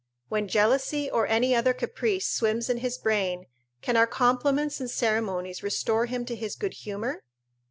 When jealousy or any other caprice swims in his brain, can our compliments and ceremonies restore him to his good humour?